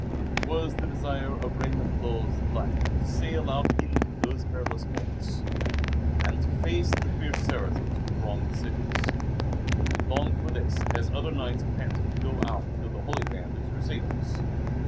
It was the desire of Raymund Lull's life to sail out into those perilous ports and to face the fierce Saracens who thronged the cities. He longed for this as other knights panted to go out to the Holy Land as Crusaders.